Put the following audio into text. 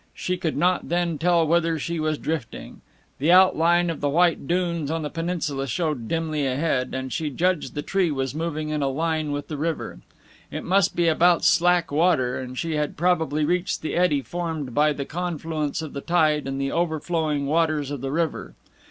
She could not then tell whither she was drifting. The outline of the white dunes on the peninsula showed dimly ahead, and she judged the tree was moving in a line with the river. It must be about slack water, and she had probably reached the eddy formed by the confluence of the tide and the overflowing waters of the river.